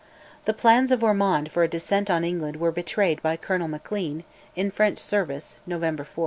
The plans of Ormonde for a descent on England were betrayed by Colonel Maclean, in French service (November 4).